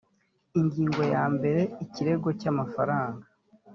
ingingo ya mbere ikirego cy amafaranga